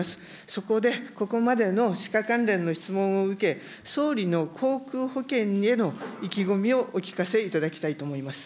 そこで、ここまでの歯科関連の質問を受け、総理の口腔保健への意気込みをお聞かせいただきたいと思います。